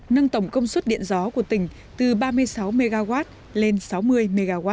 nâng tổng công suất điện gió của tỉnh từ ba mươi sáu mw lên sáu mươi mw